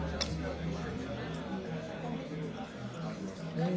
うん。